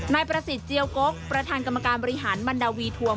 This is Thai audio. นายประสิทธิ์เจียวกกประธานกรรมการบริหารมันดาวีทวง